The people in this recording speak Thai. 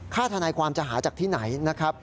ทนายความจะหาจากที่ไหนนะครับ